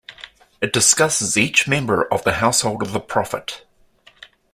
It discusses each member of the household of the Prophet.